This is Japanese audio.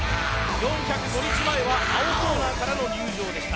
４０５日前は青コーナーからの入場でした。